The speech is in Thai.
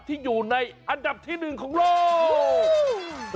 ที่อยู่ในอันดับที่๑ของโลก